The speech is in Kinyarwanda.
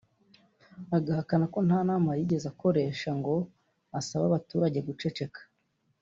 agahakana ko nta nama yigeze akoresha ngo asabe abaturage guceceka